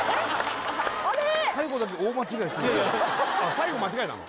最後間違えたの？